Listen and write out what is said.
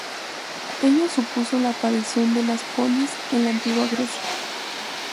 Ello supuso la aparición de las polis en la Antigua Grecia.